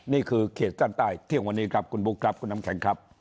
เขตเส้นใต้เที่ยงวันนี้ครับคุณบุ๊คครับคุณน้ำแข็งครับ